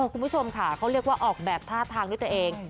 คุณผู้ชมค่ะเขาเรียกว่าออกแบบท่าทางด้วยตัวเอง